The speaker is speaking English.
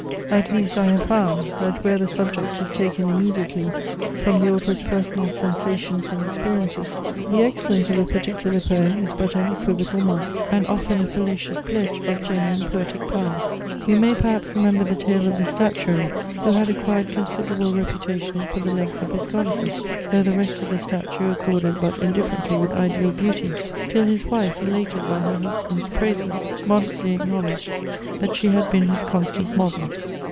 At least I have found, that where the subject is taken immediately from the author's personal sensations and experiences, the excellence of a particular poem is but an equivocal mark, and often a fallacious pledge, of genuine poetic power. We may perhaps remember the tale of the statuary, who had acquired considerable reputation for the legs of his goddesses, though the rest of the statue accorded but indifferently with ideal beauty; till his wife, elated by her husband's praises, modestly acknowledged that she had been his constant model.